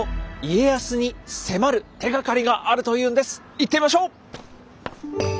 行ってみましょう！